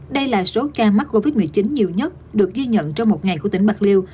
đây là số ca mắc covid một mươi chín nhiều nhất được ghi nhận trong một ngày của tỉnh bạc liêu